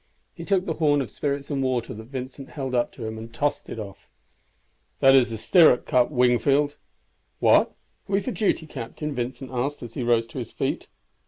He took the horn of spirits and water that Vincent held up to him and tossed it off. "That is a stirrup cup, Wingfield." "What! are we for duty, captain?" Vincent asked as he rose to his feet.